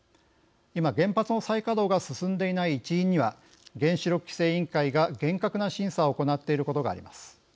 今、原発の再稼働が進んでいない一因には原子力規制委員会が厳格な審査を行っていることがあります。